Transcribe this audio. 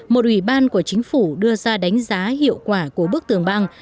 một ủy ban của chính phủ đưa ra đánh giá hiệu quả của bức tường băng